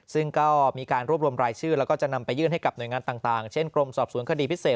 ซึ่งก็มีการรวบรวมรายชื่อแล้วก็จะนำไปยื่นให้กับหน่วยงานต่างเช่นกรมสอบสวนคดีพิเศษ